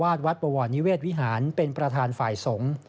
เจ้าอาวาสวัดบวานิเวชวิหารเป็นประธานฝ่ายสงค์